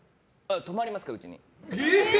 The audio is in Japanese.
泊まります、うちに。